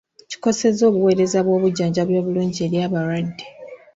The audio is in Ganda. Kikosezza obuweereza bw'obujjanjabi obulungi eri abalwadde.